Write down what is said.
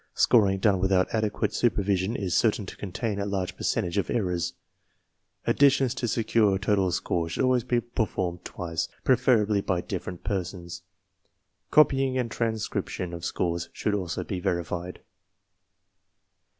Scoring done without adequate supervision is certain to contain a large percentage of errors. Additions to secure total score should always be performed twice, pref erablyHSy^ ~3ifferenFpeisons. Copying and transcription of scores should also be verified.